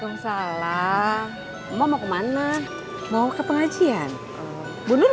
yang mana ini makan udar di